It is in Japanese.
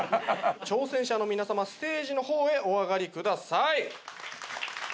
挑戦者の皆様ステージの方へお上がりください。